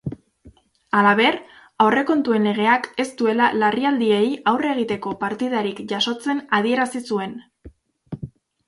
Halaber, aurrekontuen legeak ez duela larrialdiei aurre egiteko partidarik jasotzen adierazi zuen.